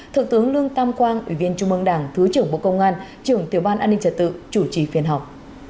thượng tướng lương tam quang ủy viên trung mương đảng thứ trưởng bộ công an trưởng tiểu ban an ninh trật tự chủ trì phiên họp